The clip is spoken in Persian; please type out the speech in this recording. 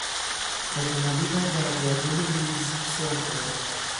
اتومبیلم در جادهی لیز سر خورد.